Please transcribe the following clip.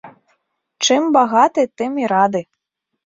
Чым багаты, тым і рады.